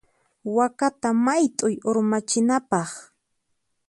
Wakata mayt'uy urmachinapaq.